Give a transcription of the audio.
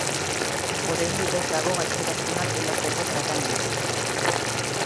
Oraindik ez dago gaixotasuna sendatzeko tratamendurik.